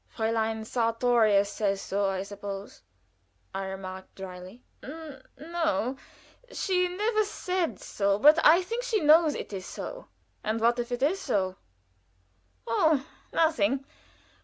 "Fräulein Sartorius says so, I suppose," I remarked, dryly. "N no; she never said so; but I think she knows it is so." "And what if it be so?" "Oh, nothing!